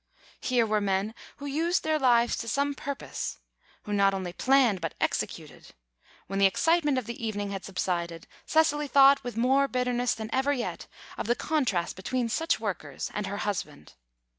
Here were men who used their lives to some purpose; who not only planned, but executed. When the excitement of the evening had subsided, Cecily thought with more bitterness than ever yet of the contrast between such workers and her husband.